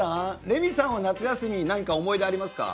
レミさんは夏休み、何か思い出、ありますか？